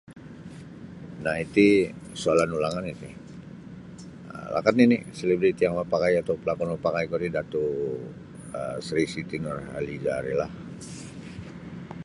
Na iti soalan ulangan iti um lakad nini selebriti yang mapakai ku atau palakun mapakai ku Dato Sri Siti Nurhalizah ri lah.